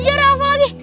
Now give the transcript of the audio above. ya ada apa lagi